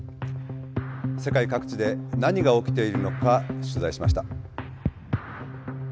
世界各地で何が起きているのか取材しました。